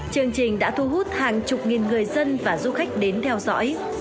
chương trình đã thu hút hàng chục nghìn người dân và du khách đến theo dõi